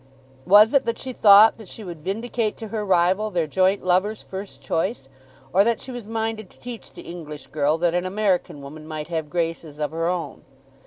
Was it that she thought that she would vindicate to her rival their joint lover's first choice, or that she was minded to teach the English girl that an American woman might have graces of her own?